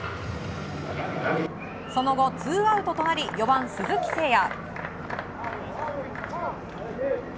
その後、ツーアウトとなり４番、鈴木誠也。